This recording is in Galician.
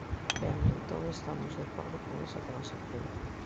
Ben, entón, estamos de acordo con esa transacción.